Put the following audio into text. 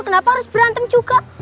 kenapa harus berantem juga